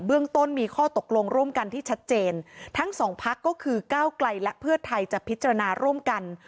เรื่องต้นมีข้อตกลงร่วมกันที่ชัดเจนทั้งสองพักก็คือก้าวไกลและเพื่อไทยจะพิจารณาร่วมกัน